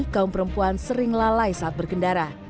kaum perempuan sering lalai saat berkendara